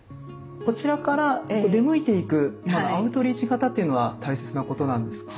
こちらから出向いていくアウトリーチ型っていうのは大切なことなんですか？